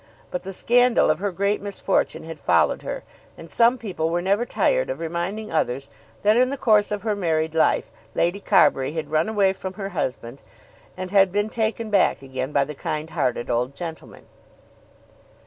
But the scandal of her great misfortune had followed her, and some people were never tired of reminding others that in the course of her married life Lady Carbury had run away from her husband, and had been taken back again by the kind hearted old gentleman.